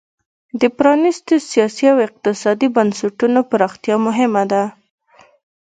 د پرانیستو سیاسي او اقتصادي بنسټونو پراختیا مهمه ده.